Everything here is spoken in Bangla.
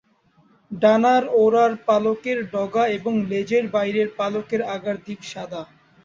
ডানার ওড়ার পালকের ডগা এবং লেজের বাইরের পালকের আগার দিক সাদা।